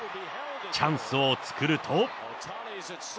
チャンスを作ると。